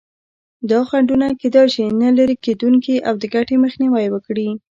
دا خنډونه کېدای شي نه لرې کېدونکي او د ګټې مخنیوی وکړي.